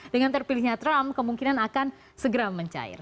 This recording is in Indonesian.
dengan terpilihnya trump kemungkinan akan segera mencair